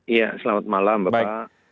iya selamat malam bapak